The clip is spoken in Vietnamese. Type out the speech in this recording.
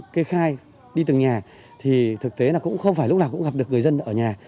kê khai đi từng nhà thì thực tế là cũng không phải lúc nào cũng gặp được người dân ở nhà